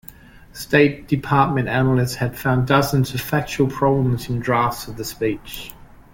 State Department analysts had found dozens of factual problems in drafts of the speech.